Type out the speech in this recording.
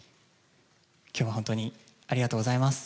きょうは本当にありがとうございます。